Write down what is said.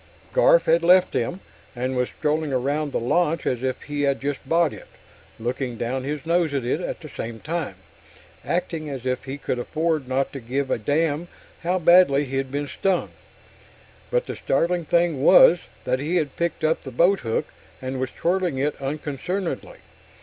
Garf had left them, and was strolling around the launch as if he had just bought it looking down his nose at it; at the same time, acting as if he could afford not to give a damn how badly he'd been stung. But the startling thing was that he had picked up the boathook and was twirling it unconcernedly.